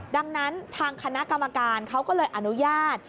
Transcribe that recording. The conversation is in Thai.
ดังนั้นทางคณะกรรมการเขาก็เลยอนุญาต